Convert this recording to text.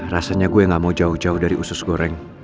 rasanya gue gak mau jauh jauh dari usus goreng